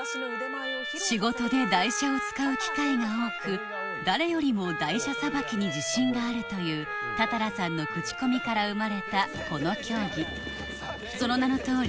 仕事で台車を使う機会が多く誰よりも台車さばきに自信があるという多々良さんのクチコミから生まれたこの競技その名の通り